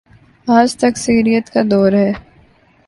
آج تکثیریت کا دور ہے۔